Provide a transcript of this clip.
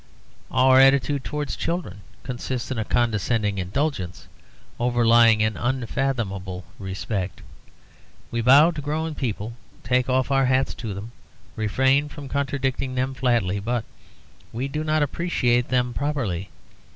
Our attitude towards children consists in a condescending indulgence, overlying an unfathomable respect. We bow to grown people, take off our hats to them, refrain from contradicting them flatly, but we do not appreciate them properly.